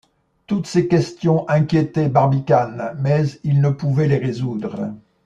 Toutes ces questions inquiétaient Barbicane, mais il ne pouvait les résoudre.